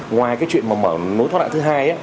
ngoài cái chuyện mà mở nối thoát lại thứ hai